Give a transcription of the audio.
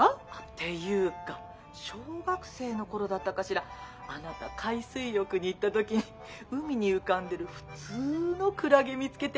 ていうか小学生の頃だったかしらあなた海水浴に行った時に海に浮かんでる普通のクラゲ見つけて。